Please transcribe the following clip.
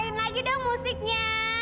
dj mainin lagi dong musiknya